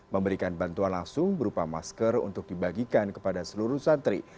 memberikan bantuan langsung berupa masker untuk dibagikan kepada seluruh santri